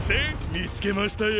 見つけましたよ！